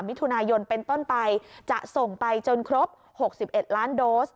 มิถุนายนเป็นต้นไปจะส่งไปจนครบ๖๑ล้านโดส